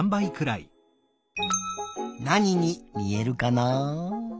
なににみえるかな？